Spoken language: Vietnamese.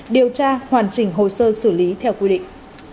điều tra hoàn chỉnh hồ sơ xử lý theo quy định